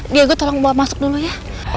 diego tolong bawa masuk dulu ya